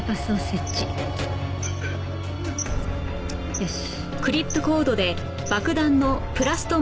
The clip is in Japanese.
よし。